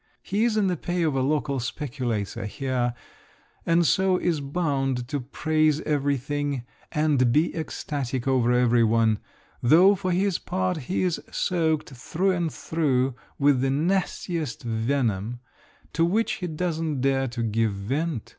He is in the pay of a local speculator here, and so is bound to praise everything and be ecstatic over every one, though for his part he is soaked through and through with the nastiest venom, to which he does not dare to give vent.